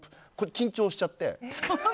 緊張しちゃって。